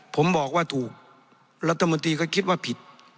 ผมบอกว่าถูกแล้วตมติก็คิดว่าผิด